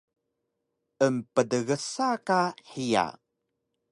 Emptgsa ka hiya